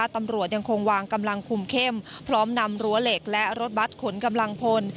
ตำรวจยังคงวางกำลังคุมเข้มพร้อมนำรั้วเหล็กและรถบัตรขนกำลังพล